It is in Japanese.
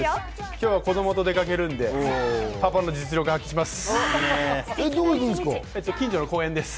今日は子供と出かけるので、パパの実力発揮します。